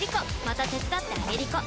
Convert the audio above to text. また手伝ってあげりこ！